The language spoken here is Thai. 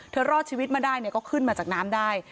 เธอรอดชีวิตมาได้เนี่ยก็ขึ้นมาจากน้ำได้